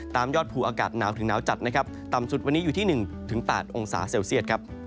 ยอดภูอากาศหนาวถึงหนาวจัดนะครับต่ำสุดวันนี้อยู่ที่๑๘องศาเซลเซียตครับ